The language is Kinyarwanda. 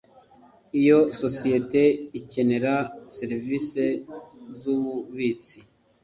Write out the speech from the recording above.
Iyo sosiyete ikenera serivisi z umubitsi